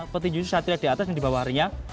petinju satu satunya di atas yang di bawah hari ya